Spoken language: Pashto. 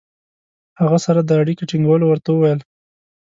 هغه سره د اړیکې ټینګولو ورته وویل.